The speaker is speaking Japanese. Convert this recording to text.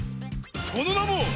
そのなも！